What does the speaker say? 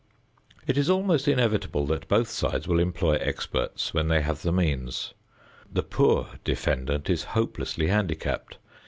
It is almost inevitable that both sides will employ experts when they have the means. The poor defendant is hopelessly handicapped.